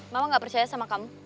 mama gak percaya sama kamu